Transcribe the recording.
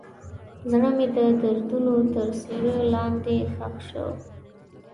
زړه مې د دردونو تر سیوري لاندې ښخ شو.